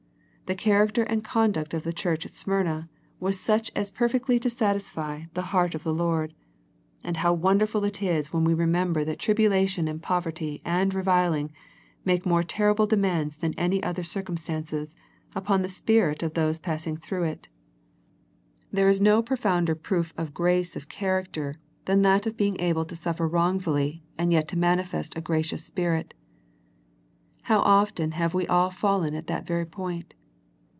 The character and conduct of the church at Smyrna was such as perfectly to satisfy the heart of 64 A First Century Message the Lord, and how wonderful it is when we re member that tribulation and poverty and re viling make more terrible demands than any other circumstances, upon the spirit of those passing through it. There is no profounder proof of grace of character than that of being able to suffer wrongfully and yet to manifest a gracious spirit. How often have we all fallen at that very point.